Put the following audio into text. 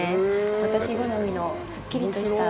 私好みの、すっきりとした。